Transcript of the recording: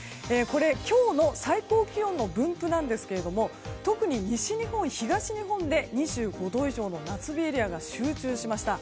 今日の最高気温の分布なんですが特に西日本、東日本で２５度以上の夏日エリアが集中しました。